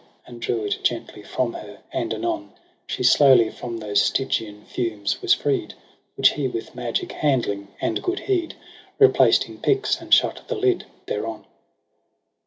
And drew it gently from her ; and anon She slowly from those Stygian fumes was freed ; Which he with magic handling and good heed Replaced in pyx, and shut the lid thereon.